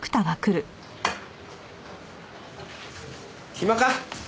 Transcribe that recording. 暇か？